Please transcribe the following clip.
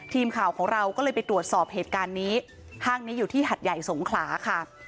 ทีมข่าวของเราก็เลยไปตรวจสอบเหตุการณ์นี้ห้างนี้อยู่ที่หัดใหญ่สงขลาค่ะ